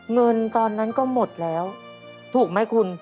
เงินตอนนั้นก็หมดแล้วถูกไหมคุณ